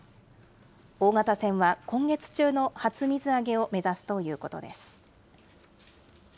大型船は今月中の初水揚げを目指すということです。